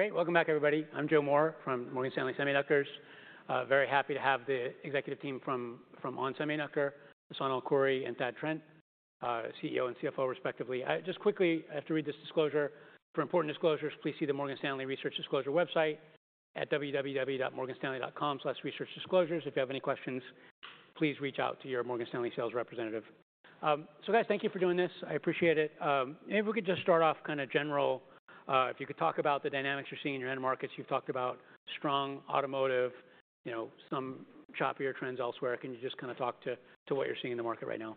Great. Welcome back, everybody. I'm Joe Moore from Morgan Stanley Semiconductors. Very happy to have the executive team from onsemi, Hassane El-Khoury and Thad Trent, CEO and CFO respectively. Just quickly, I have to read this disclosure. For important disclosures, please see the Morgan Stanley Research Disclosure website at www.morganstanley.com/researchdisclosures. If you have any questions, please reach out to your Morgan Stanley sales representative. Guys, thank you for doing this. I appreciate it. If we could just start off kind of general. If you could talk about the dynamics you're seeing in your end markets. You've talked about strong automotive, you know, some choppier trends elsewhere. Can you just kinda talk to what you're seeing in the market right now?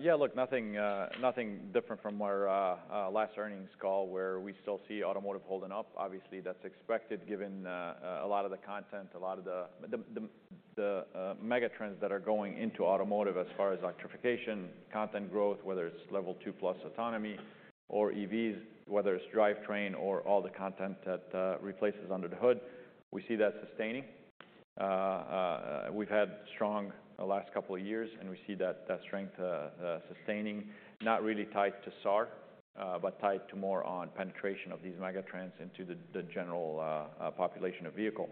Yeah. Look, nothing different from our last earnings call, where we still see automotive holding up. Obviously, that's expected given a lot of the content, a lot of the megatrends that are going into automotive as far as electrification, content growth, whether it's Level 2+ autonomy or EVs, whether it's drivetrain or all the content that replaces under the hood. We see that sustaining. We've had strong the last couple of years, and we see that strength sustaining, not really tied to SAR, but tied to more on penetration of these megatrends into the general population of vehicle.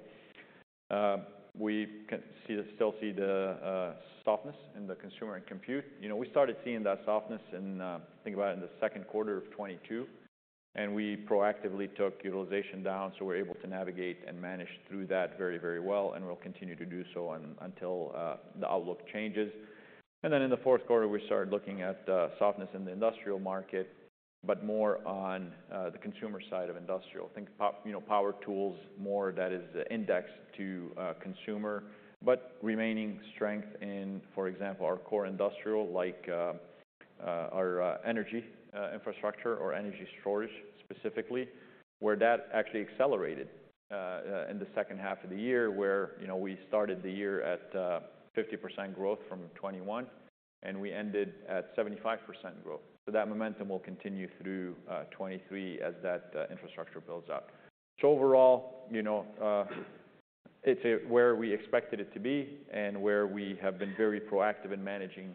We can still see the softness in the consumer and compute. You know, we started seeing that softness in, think about it, in the second quarter of 2022, and we proactively took utilization down, so we're able to navigate and manage through that very, very well, and we'll continue to do so until the outlook changes. Then in the fourth quarter, we started looking at softness in the industrial market, but more on the consumer side of industrial. Think you know, power tools more that is indexed to consumer. Remaining strength in, for example, our core industrial like, our energy infrastructure or energy storage specifically, where that actually accelerated in the second half of the year. Where, you know, we started the year at 50% growth from 2021, and we ended at 75% growth. That momentum will continue through 2023 as that infrastructure builds up. Overall, you know, it's at where we expected it to be and where we have been very proactive in managing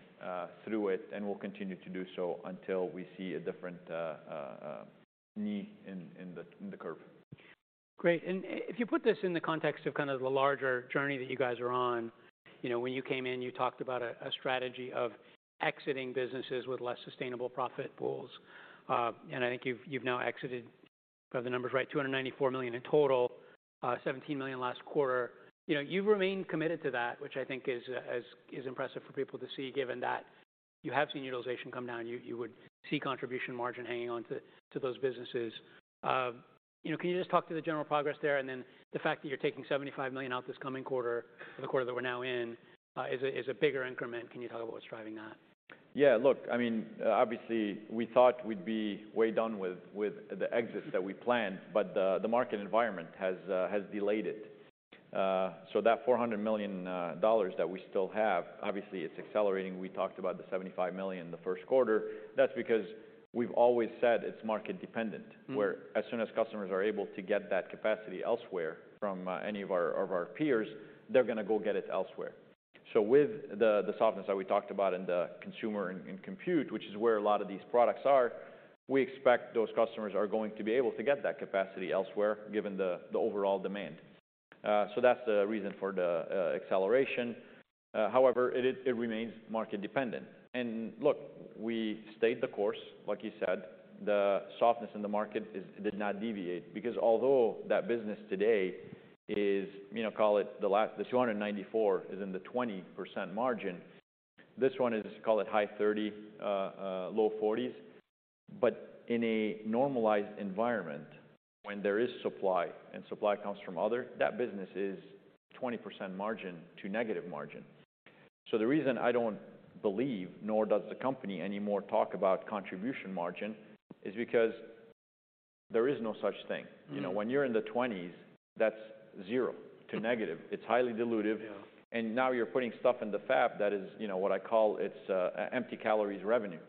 through it and will continue to do so until we see a different knee in the curve. Great. If you put this in the context of kind of the larger journey that you guys are on, you know, when you came in, you talked about a strategy of exiting businesses with less sustainable profit pools. And I think you've now exited, if I have the numbers right, $294 million in total, $17 million last quarter. You know, you remain committed to that, which I think is impressive for people to see given that you have seen utilization come down, you would see contribution margin hanging on to those businesses. You know, can you just talk to the general progress there, and then the fact that you're taking $75 million out this coming quarter or the quarter that we're now in, is a bigger increment. Can you talk about what's driving that? Look, I mean, obviously we thought we'd be way done with the exits that we planned, but the market environment has delayed it. That $400 million that we still have, obviously it's accelerating. We talked about the $75 million in the first quarter. That's because we've always said it's market dependent where as soon as customers are able to get that capacity elsewhere from any of our peers, they're gonna go get it elsewhere. With the softness that we talked about in the consumer and compute, which is where a lot of these products are, we expect those customers are going to be able to get that capacity elsewhere given the overall demand. That's the reason for the acceleration. However, it remains market dependent. Look, we stayed the course, like you said. The softness in the market did not deviate. Although that business today is, you know, call it the last, the 294 is in the 20% margin. This one is, call it high 30%, low 40%. In a normalized environment when there is supply, and supply comes from other, that business is 20% margin to negative margin. The reason I don't believe, nor does the company anymore talk about contribution margin, is because there is no such thing. Mm-hmm. You know, when you're in the 20s, that's zero to negative. It's highly dilutive. Yeah. Now you're putting stuff in the fab that is, you know, what I call it's empty calories revenue.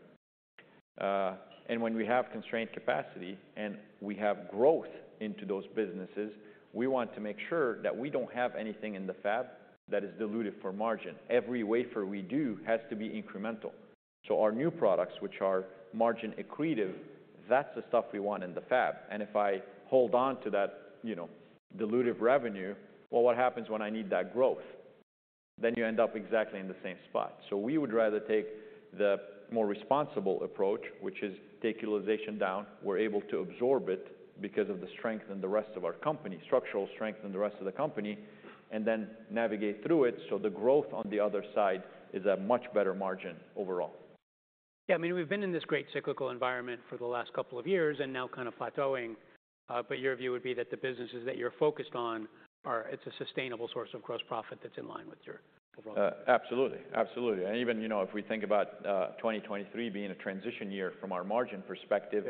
When we have constrained capacity and we have growth into those businesses, we want to make sure that we don't have anything in the fab that is dilutive for margin. Every wafer we do has to be incremental. Our new products, which are margin accretive, that's the stuff we want in the fab. If I hold on to that, you know, dilutive revenue, well, what happens when I need that growth? You end up exactly in the same spot. We would rather take the more responsible approach, which is take utilization down. We're able to absorb it because of the strength in the rest of our company, structural strength in the rest of the company, and then navigate through it so the growth on the other side is at much better margin overall. Yeah. I mean, we've been in this great cyclical environment for the last couple of years and now kind of plateauing, but your view would be that the businesses that you're focused on it's a sustainable source of gross profit that's in line with your overall... Absolutely. Absolutely. Even, you know, if we think about, 2023 being a transition year from our margin perspective.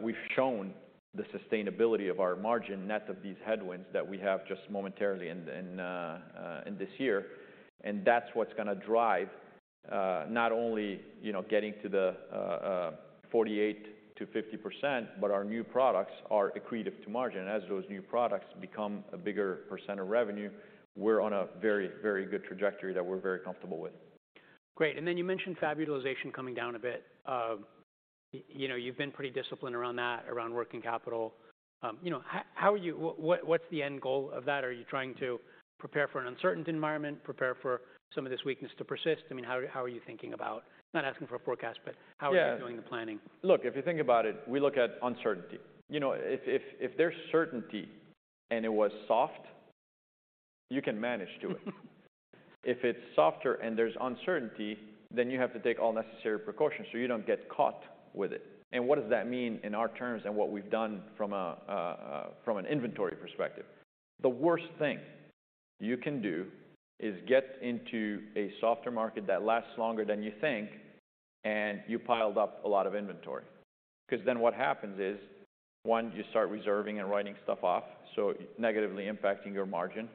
We've shown the sustainability of our margin net of these headwinds that we have just momentarily in this year. That's what's gonna drive not only, you know, getting to the 48%-50%, but our new products are accretive to margin. As those new products become a bigger percentaage of revenue, we're on a very, very good trajectory that we're very comfortable with. Great. Then you mentioned fab utilization coming down a bit. You know, you've been pretty disciplined around that, around working capital. You know, what's the end goal of that? Are you trying to prepare for an uncertain environment, prepare for some of this weakness to persist? I mean, how are you thinking about? Not asking for a forecast, but... Yeah... how are you doing the planning? Look, if you think about it, we look at uncertainty. You know, if there's certainty and it was soft, you can manage to it. If it's softer and there's uncertainty, then you have to take all necessary precautions so you don't get caught with it. What does that mean in our terms and what we've done from an inventory perspective? The worst thing you can do is get into a softer market that lasts longer than you think, and you piled up a lot of inventory. 'Cause then what happens is, one, you start reserving and writing stuff off, so negatively impacting your margin.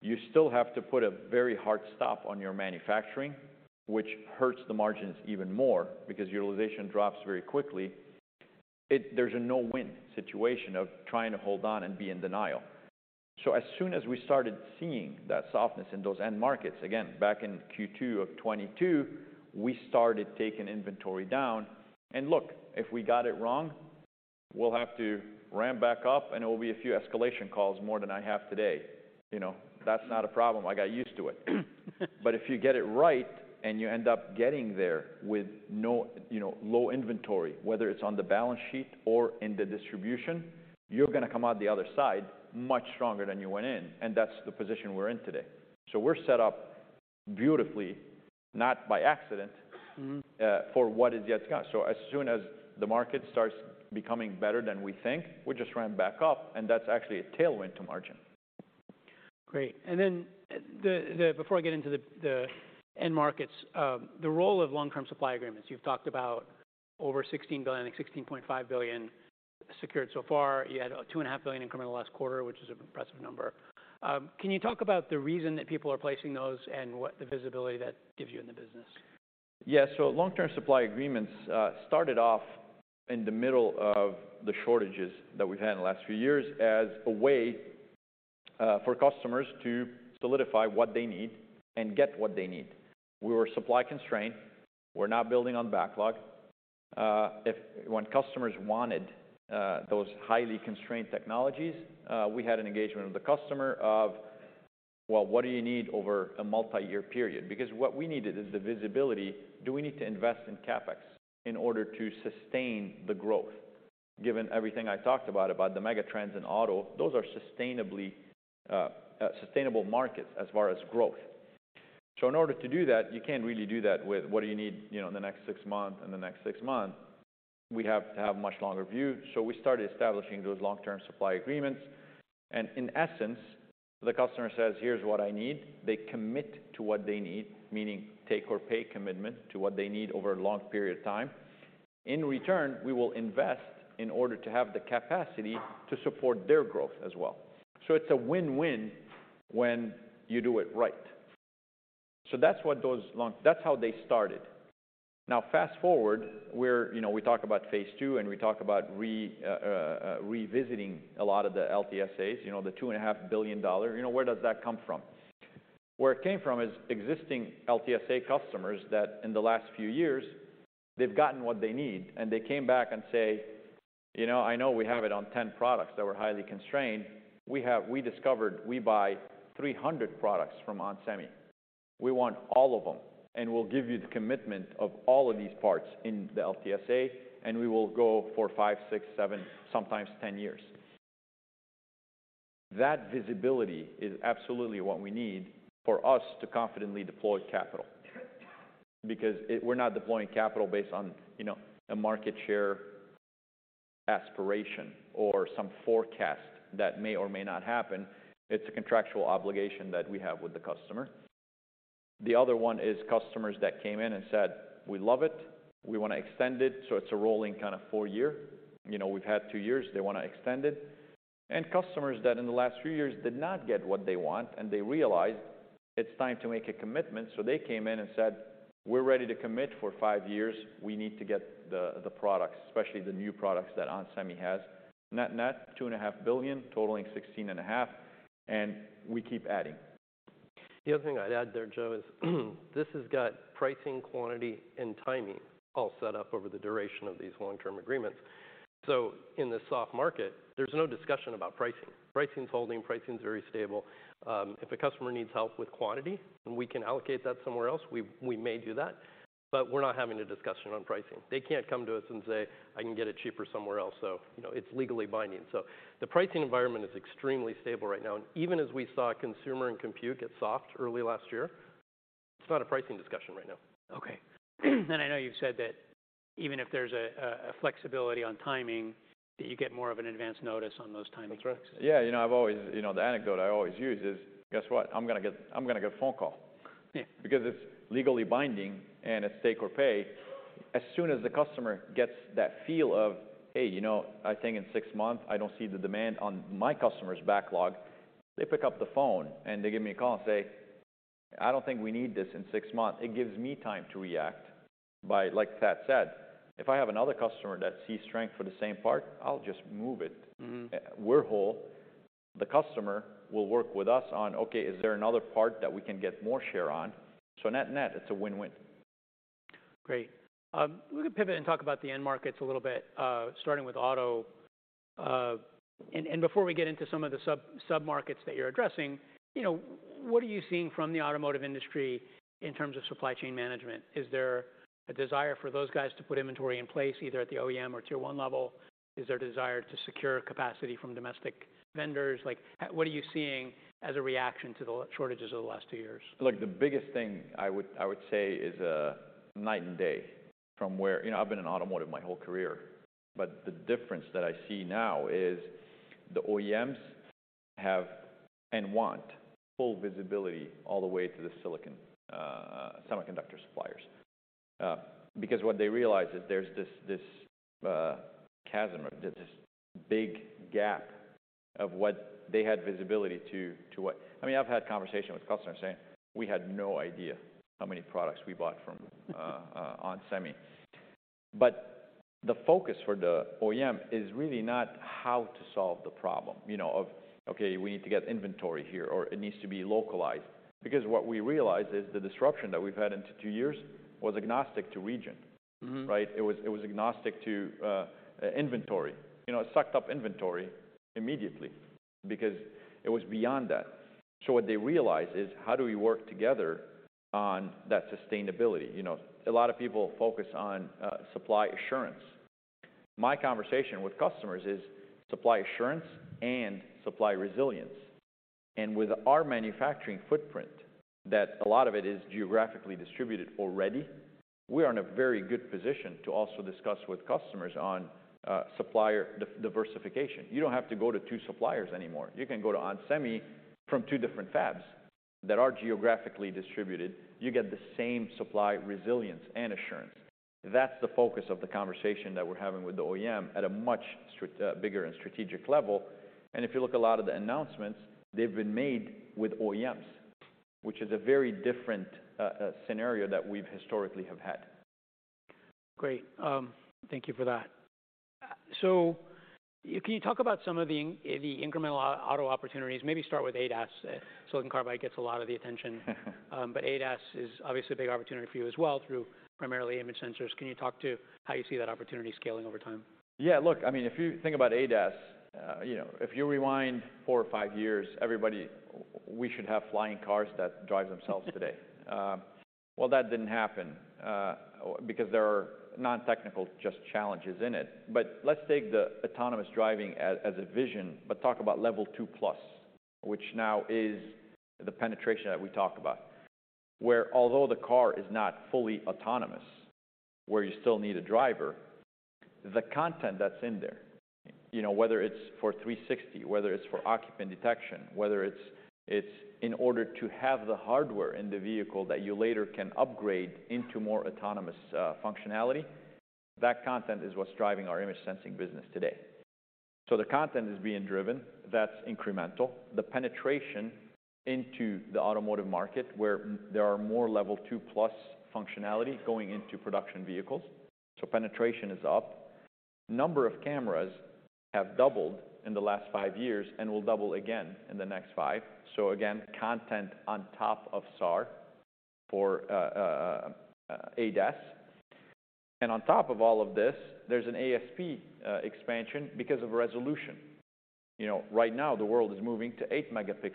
You still have to put a very hard stop on your manufacturing, which hurts the margins even more because utilization drops very quickly. There's a no-win situation of trying to hold on and be in denial. As soon as we started seeing that softness in those end markets, again, back in Q2 of 2022, we started taking inventory down. Look, if we got it wrong, we'll have to ramp back up, and it will be a few escalation calls, more than I have today. You know? That's not a problem. I got used to it. If you get it right, and you end up getting there with no, you know, low inventory, whether it's on the balance sheet or in the distribution, you're gonna come out the other side much stronger than you went in, and that's the position we're in today. We're set up beautifully, not by accident. Mm-hmm... for what is yet to come. As soon as the market starts becoming better than we think, we just ramp back up, and that's actually a tailwind to margin. Great. Before I get into the end markets, the role of long-term supply agreements, you've talked about over $16 billion, like $16.5 billion secured so far. You had a $2.5 billion incremental last quarter, which is an impressive number. Can you talk about the reason that people are placing those and what the visibility that gives you in the business? Yeah. Long-term supply agreements started off in the middle of the shortages that we've had in the last few years as a way for customers to solidify what they need and get what they need. We were supply constrained. We're now building on backlog. When customers wanted those highly constrained technologies, we had an engagement with the customer of, "Well, what do you need over a multi-year period?" Because what we needed is the visibility, do we need to invest in CapEx in order to sustain the growth? Given everything I talked about the megatrends in auto, those are sustainably sustainable markets as far as growth. In order to do that, you can't really do that with what do you need, you know, in the next six months and the next six months. We have to have much longer view. We started establishing those long-term supply agreements. In essence, the customer says, "Here's what I need." They commit to what they need, meaning take-or-pay commitment to what they need over a long period of time. In return, we will invest in order to have the capacity to support their growth as well. It's a win-win when you do it right. That's how they started. Now fast-forward, we're, you know, we talk about phase two, and we talk about revisiting a lot of the LTSAs, you know, the $2.5 billion. You know, where does that come from? Where it came from is existing LTSA customers that in the last few years, they've gotten what they need, and they came back and say, "You know, I know we have it on 10 products that were highly constrained. We discovered we buy 300 products from onsemi. We want all of them, and we'll give you the commitment of all of these parts in the LTSA, and we will go for five, six, seven, sometimes 10 years." That visibility is absolutely what we need for us to confidently deploy capital because we're not deploying capital based on, you know, a market share aspiration or some forecast that may or may not happen. It's a contractual obligation that we have with the customer. The other one is customers that came in and said, "We love it. We wanna extend it, so it's a rolling kind of four-year." You know, we've had two years, they wanna extend it. Customers that in the last few years did not get what they want, and they realized it's time to make a commitment, so they came in and said, "We're ready to commit for five years. We need to get the products, especially the new products that onsemi has." Net-net, $2.5 billion, totaling $16.5 billion, and we keep adding. The other thing I'd add there, Joe, is this has got pricing, quantity, and timing all set up over the duration of these long-term agreements. In the soft market, there's no discussion about pricing. Pricing's holding, pricing's very stable. If a customer needs help with quantity and we can allocate that somewhere else, we may do that, but we're not having a discussion on pricing. They can't come to us and say, "I can get it cheaper somewhere else." You know, it's legally binding. The pricing environment is extremely stable right now. Even as we saw consumer and compute get soft early last year, it's not a pricing discussion right now. Okay. I know you've said that even if there's a flexibility on timing, that you get more of an advance notice on those timing risks. That's right. Yeah, you know, the anecdote I always use is, guess what? I'm gonna get a phone call. Yeah. It's legally binding and it's take or pay. As soon as the customer gets that feel of, "Hey, you know, I think in six months I don't see the demand on my customer's backlog," they pick up the phone and they give me a call and say, "I don't think we need this in six months." It gives me time to react by, like Thad said, if I have another customer that sees strength for the same part, I'll just move it. Mm-hmm. The customer will work with us on, okay, is there another part that we can get more share on? Net net, it's a win-win. Great. We could pivot and talk about the end markets a little bit, starting with auto. Before we get into some of the sub-submarkets that you're addressing, you know, what are you seeing from the automotive industry in terms of supply chain management? Is there a desire for those guys to put inventory in place, either at the OEM or tier one level? Is there a desire to secure capacity from domestic vendors? Like, what are you seeing as a reaction to the shortages over the last two years? Look, the biggest thing I would say is night and day from where. You know, I've been in automotive my whole career, but the difference that I see now is the OEMs have and want full visibility all the way to the silicon semiconductor suppliers. What they realize is there's this chasm, this big gap of what they had visibility to what. I mean, I've had conversation with customers saying, "We had no idea how many products we bought from onsemi." The focus for the OEM is really not how to solve the problem, you know, of, okay, we need to get inventory here, or it needs to be localized. What we realized is the disruption that we've had in the two years was agnostic to region. Mm-hmm. Right? It was, it was agnostic to inventory. You know, it sucked up inventory immediately because it was beyond that. What they realized is, how do we work together on that sustainability, you know? A lot of people focus on supply assurance. My conversation with customers is supply assurance and supply resilience. With our manufacturing footprint, that a lot of it is geographically distributed already, we are in a very good position to also discuss with customers on supplier diversification. You don't have to go to two suppliers anymore. You can go to onsemi from two different fabs that are geographically distributed. You get the same supply resilience and assurance. That's the focus of the conversation that we're having with the OEM at a much bigger and strategic level. If you look a lot of the announcements, they've been made with OEMs, which is a very different scenario that we've historically have had. Great. Thank you for that. Can you talk about some of the incremental auto opportunities? Maybe start with ADAS. Silicon Carbide gets a lot of the attention. ADAS is obviously a big opportunity for you as well through primarily image sensors. Can you talk to how you see that opportunity scaling over time? Yeah. Look, I mean, if you think about ADAS, you know, if you rewind four or five years, we should have flying cars that drive themselves today. Well, that didn't happen, because there are non-technical just challenges in it. Let's take the autonomous driving as a vision, but talk about Level 2+, which now is the penetration that we talk about, where although the car is not fully autonomous, where you still need a driver, the content that's in there, you know, whether it's for 360, whether it's for occupant detection, whether it's in order to have the hardware in the vehicle that you later can upgrade into more autonomous functionality, that content is what's driving our image sensing business today. The content is being driven, that's incremental. The penetration into the automotive market where there are more Level 2+ functionality going into production vehicles, so penetration is up. Number of cameras have doubled in the last five years and will double again in the next five. Again, content on top of SAR for ADAS. On top of all of this, there's an ASP expansion because of resolution. You know, right now the world is moving to 8 MP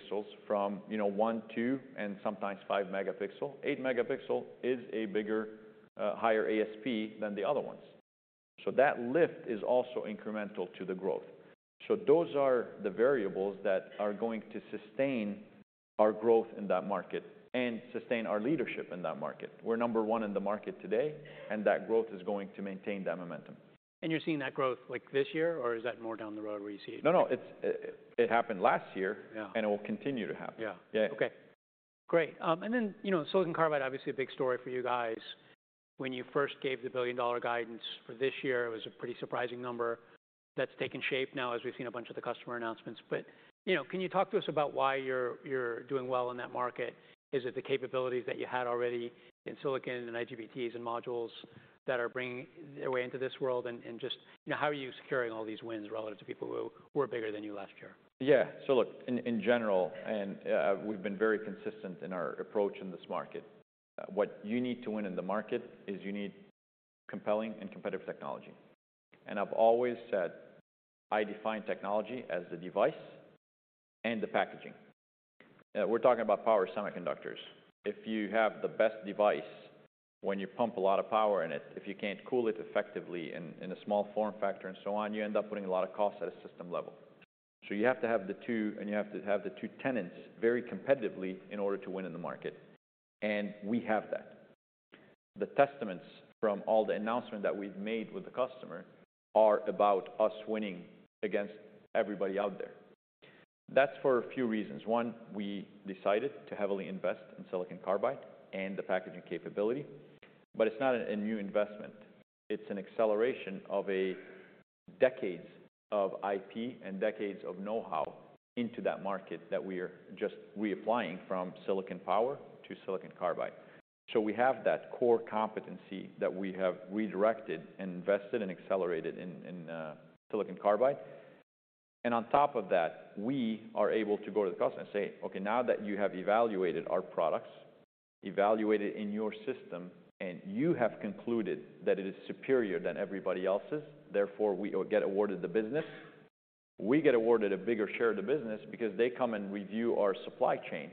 from, you know, one, two, and sometimes 5 MP. 8-MP is a bigger, higher ASP than the other ones. That lift is also incremental to the growth. Those are the variables that are going to sustain our growth in that market and sustain our leadership in that market. We're number one in the market today, and that growth is going to maintain that momentum. You're seeing that growth, like, this year, or is that more down the road where you see it? No, no, it's, it happened last year- Yeah It will continue to happen. Yeah. Yeah. Okay. Great. You know, silicon carbide, obviously a big story for you guys. When you first gave the $1 billion guidance for this year, it was a pretty surprising number that's taken shape now as we've seen a bunch of the customer announcements. You know, can you talk to us about why you're doing well in that market? Is it the capabilities that you had already in silicon and IGBTs and modules that are bringing their way into this world? Just, you know, how are you securing all these wins relative to people who were bigger than you last year? Look, in general, we've been very consistent in our approach in this market. What you need to win in the market is you need compelling and competitive technology. I've always said, I define technology as the device and the packaging. We're talking about power semiconductors. If you have the best device, when you pump a lot of power in it, if you can't cool it effectively in a small form factor and so on, you end up putting a lot of cost at a system level. You have to have the two, and you have to have the two tenets very competitively in order to win in the market, and we have that. The testaments from all the announcement that we've made with the customer are about us winning against everybody out there. That's for a few reasons. One, we decided to heavily invest in silicon carbide and the packaging capability, but it's not a new investment. It's an acceleration of a decades of IP and decades of know-how into that market that we are just reapplying from silicon power to silicon carbide. We have that core competency that we have redirected and invested and accelerated in silicon carbide. On top of that, we are able to go to the customer and say, "Okay, now that you have evaluated our products, evaluated in your system, and you have concluded that it is superior than everybody else's, therefore we get awarded the business." We get awarded a bigger share of the business because they come and review our supply chain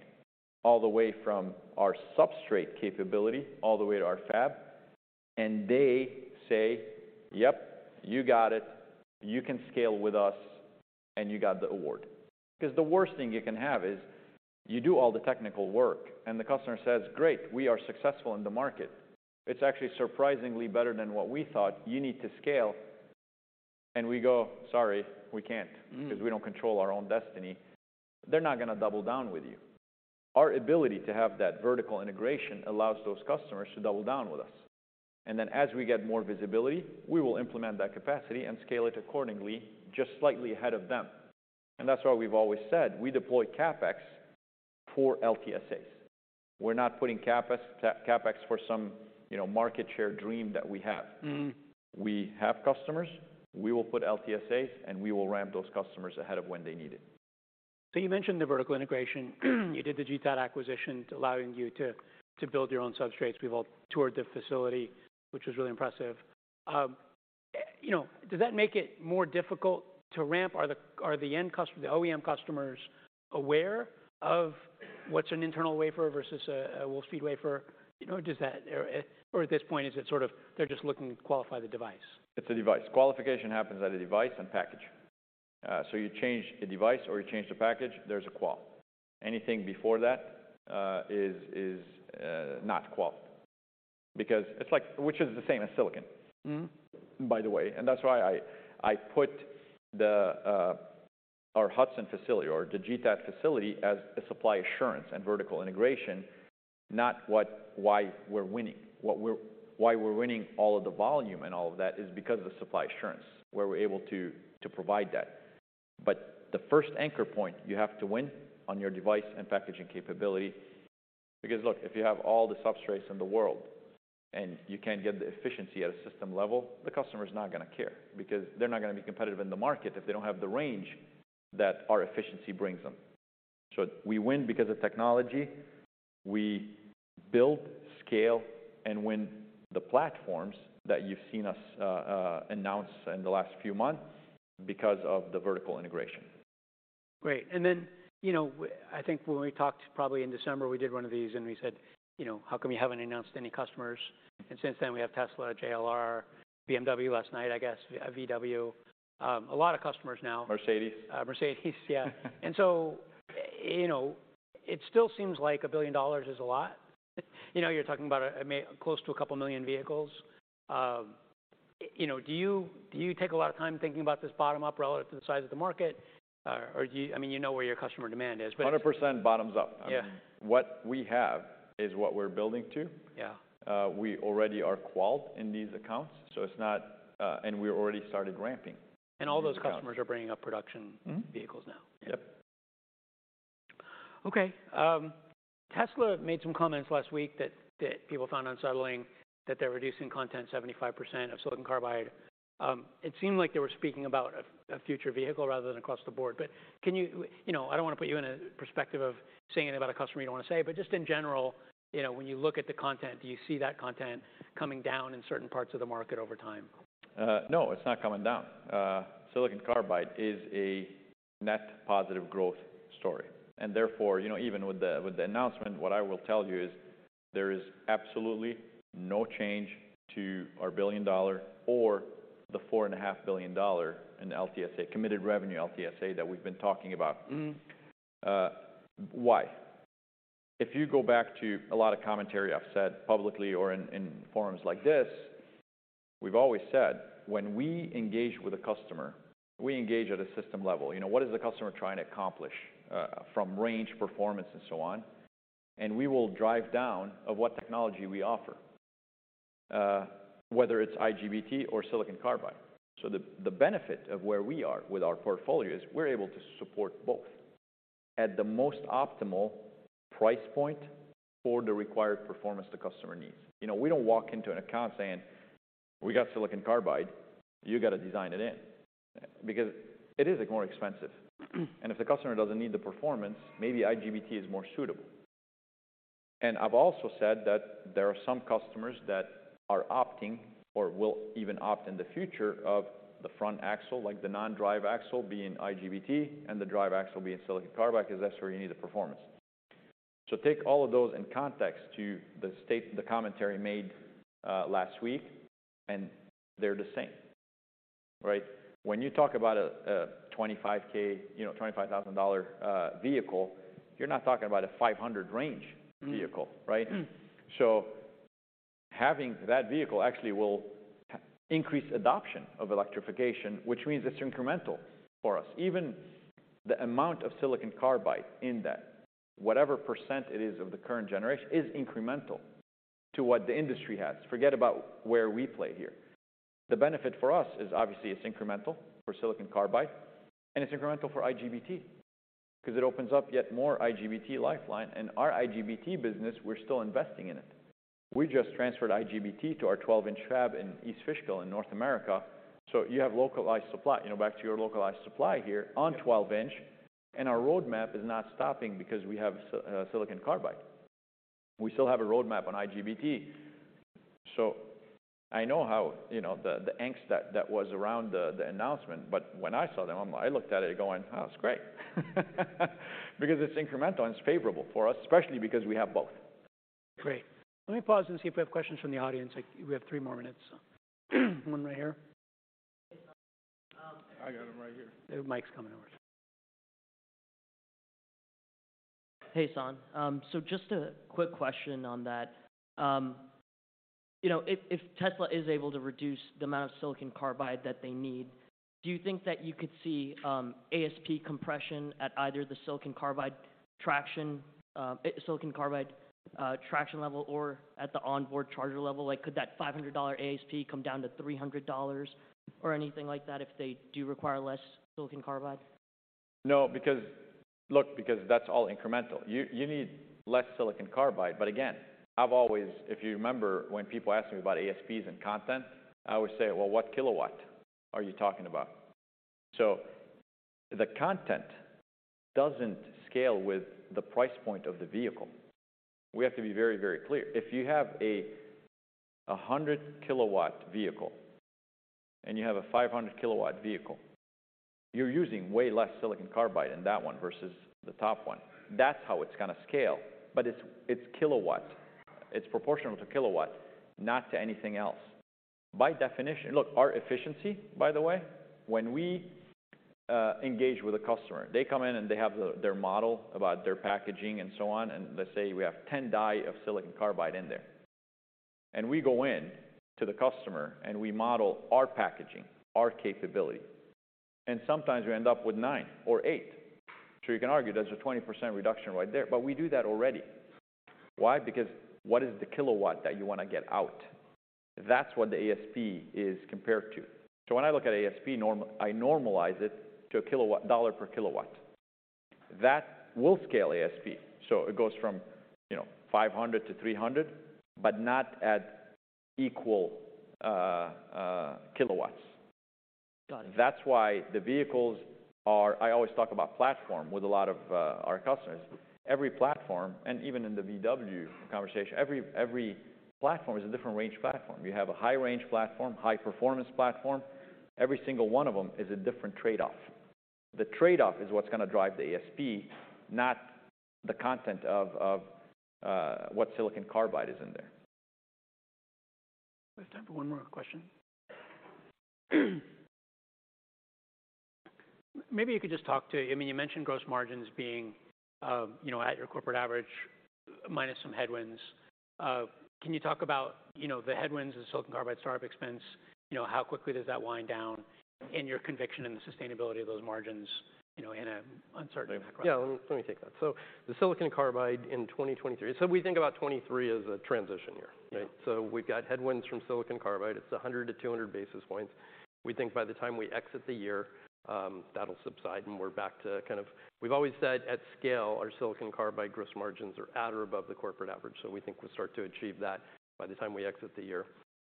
all the way from our substrate capability all the way to our fab, and they say, "Yep, you got it. You can scale with us, and you got the award." 'Cause the worst thing you can have is you do all the technical work and the customer says, "Great, we are successful in the market. It's actually surprisingly better than what we thought. You need to scale." We go, "Sorry, we can't- Mm-hmm. -because we don't control our own destiny." They're not gonna double down with you. Our ability to have that vertical integration allows those customers to double down with us. Then as we get more visibility, we will implement that capacity and scale it accordingly, just slightly ahead of them. That's why we've always said we deploy CapEx for LTSAs. We're not putting CapEx for some, you know, market share dream that we have. Mm-hmm. We have customers, we will put LTSAs, and we will ramp those customers ahead of when they need it. You mentioned the vertical integration. You did the GTAT acquisition allowing you to build your own substrates. We've all toured the facility, which was really impressive. You know, does that make it more difficult to ramp? Are the OEM customers aware of what's an internal wafer versus a Wolfspeed wafer? You know, does that? Or at this point is it sort of they're just looking to qualify the device? It's the device. Qualification happens at a device and package. You change the device or you change the package, there's a qual. Anything before that, is not qualled. It's like... which is the same as silicon... Mm-hmm. ...by the way. That's why I put the, our Hudson facility or the GTAT facility as a supply assurance and vertical integration, not why we're winning. Why we're winning all of the volume and all of that is because of the supply assurance, where we're able to provide that. The first anchor point, you have to win on your device and packaging capability because, look, if you have all the substrates in the world and you can't get the efficiency at a system level, the customer's not gonna care because they're not gonna be competitive in the market if they don't have the range that our efficiency brings them. We win because of technology. We build, scale, and win the platforms that you've seen us announce in the last few months because of the vertical integration. Great. Then, you know, I think when we talked probably in December, we did one of these and we said, you know, "How come you haven't announced any customers?" Since then, we have Tesla, JLR, BMW last night, I guess, VW, a lot of customers now. Mercedes-Benz. Mercedes-Benz, yeah. You know, it still seems like $1 billion is a lot. You know, you're talking about a close to a couple million vehicles. You know, do you take a lot of time thinking about this bottom up relative to the size of the market? I mean, you know where your customer demand is, but- 100% bottoms up. Yeah. I mean, what we have is what we're building to. Yeah. We already are qualled in these accounts, so it's not. We already started ramping in these accounts. All those customers are bringing up production... Mm-hmm. ...vehicles now. Yep. Tesla made some comments last week that people found unsettling, that they're reducing content 75% of silicon carbide. It seemed like they were speaking about a future vehicle rather than across the board. Can you know, I don't wanna put you in a perspective of saying about a customer you don't wanna say, but just in general, you know, when you look at the content, do you see that content coming down in certain parts of the market over time? No, it's not coming down. Silicon carbide is a net positive growth story, and therefore, you know, even with the, with the announcement, what I will tell you is there is absolutely no change to our $1 billion or the $4.5 billion in the LTSA, committed revenue LTSA that we've been talking about. Mm-hmm. Why? If you go back to a lot of commentary I've said publicly or in forums like this, we've always said when we engage with a customer, we engage at a system level. You know, what is the customer trying to accomplish from range, performance, and so on? We will drive down of what technology we offer, whether it's IGBT or silicon carbide. The, the benefit of where we are with our portfolio is we're able to support both at the most optimal price point for the required performance the customer needs. You know, we don't walk into an account saying, "We got silicon carbide. You gotta design it in." Because it is, like, more expensive. If the customer doesn't need the performance, maybe IGBT is more suitable. I've also said that there are some customers that are opting or will even opt in the future of the front axle, like the non-drive axle being IGBT and the drive axle being silicon carbide, 'cause that's where you need the performance. Take all of those in context to the commentary made last week, and they're the same, right? When you talk about a $25,000, you know, $25,000 vehicle, you're not talking about a 500 range vehicle, right? Mm-hmm. Having that vehicle actually will increase adoption of electrification, which means it's incremental for us. Even the amount of silicon carbide in that, whatever % it is of the current generation, is incremental to what the industry has. Forget about where we play here. The benefit for us is obviously it's incremental for silicon carbide and it's incremental for IGBT. 'Cause it opens up yet more IGBT lifeline, and our IGBT business, we're still investing in it. We just transferred IGBT to our 12-in fab in East Fishkill in North America, so you have localized supply, you know, back to your localized supply here on 12-inch, and our roadmap is not stopping because we have silicon carbide. We still have a roadmap on IGBT. I know how, you know, the angst that was around the announcement. When I saw that one, I looked at it going, "Oh, it's great." It's incremental and it's favorable for us, especially because we have both. Great. Let me pause and see if we have questions from the audience. Like, we have three more minutes. One right here. I got 'em right here. The mic's coming over. Hey, Hassane. Just a quick question on that. You know, if Tesla is able to reduce the amount of silicon carbide that they need, do you think that you could see ASP compression at either the silicon carbide traction level or at the onboard charger level? Like, could that $500 ASP come down to $300 or anything like that if they do require less silicon carbide? Look, because that's all incremental. You need less silicon carbide, but again, I've always. If you remember when people ask me about ASPs and content, I always say, "Well, what kilowatt are you talking about?" The content doesn't scale with the price point of the vehicle. We have to be very, very clear. If you have a 100 KW vehicle and you have a 500 KW vehicle, you're using way less silicon carbide in that one versus the top one. That's how it's gonna scale. It's kilowatts. It's proportional to kilowatt, not to anything else. Look, our efficiency, by the way, when we engage with a customer, they come in and they have their model about their packaging and so on, and let's say we have 10 die of silicon carbide in there. We go in to the customer and we model our packaging, our capability, and sometimes we end up with nine or eight. You can argue there's a 20% reduction right there, but we do that already. Why? Because what is the kilowatt that you wanna get out? That's what the ASP is compared to. When I look at ASP. I normalize it to a kilowatt, a dollar per kilowatt. That will scale ASP, so it goes from, you know, $500 to $300, but not at equal kilowatts. Got it. That's why the vehicles I always talk about platform with a lot of our customers. Every platform, and even in the Volkswagen conversation, every platform is a different range platform. You have a high range platform, high performance platform. Every single one of them is a different trade-off. The trade-off is what's gonna drive the ASP, not the content of what silicon carbide is in there. There's time for one more question. Maybe you could just talk to, I mean, you mentioned gross margins being, you know, at your corporate average minus some headwinds. Can you talk about, you know, the headwinds of silicon carbide startup expense, you know, how quickly does that wind down, and your conviction in the sustainability of those margins, you know, in an uncertain macro? Yeah. Let me take that. The silicon carbide in 2023. We think about 2023 as a transition year, right? Yeah. We've got headwinds from silicon carbide. It's 100-200 basis points. We think by the time we exit the year, that'll subside and we're back to We've always said at scale, our silicon carbide gross margins are at or above the corporate average, so we think we'll start to achieve that by the time we exit the year.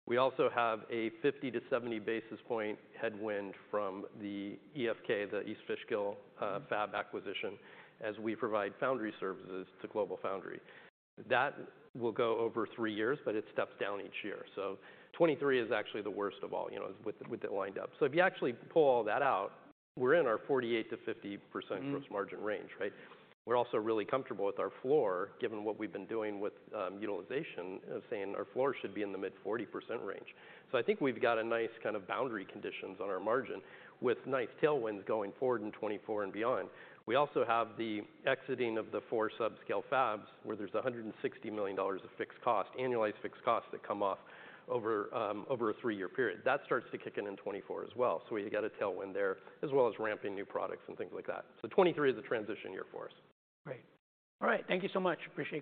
We also have a 50-70 basis point headwind from the EFK, the East Fishkill fab acquisition, as we provide foundry services to GlobalFoundries. That will go over three years, but it steps down each year. 2023 is actually the worst of all, you know, with the, with it wind up. If you actually pull all that out, we're in our 48%-50%. Mm-hmm. -gross margin range, right? We're also really comfortable with our floor, given what we've been doing with utilization of saying our floor should be in the mid-40% range. I think we've got a nice kind of boundary conditions on our margin with nice tailwinds going forward in 2024 and beyond. We also have the exiting of the four sub-scale fabs, where there's $160 million of fixed cost, annualized fixed costs that come off over a 3-year period. That starts to kick in in 2024 as well, so we got a tailwind there, as well as ramping new products and things like that. 2023 is a transition year for us. Great. All right. Thank you so much. Appreciate it.